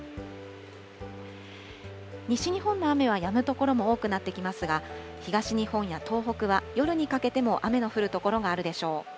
西日本の雨はやむ所も多くなってきますが、東日本や東北は夜にかけても雨の降る所があるでしょう。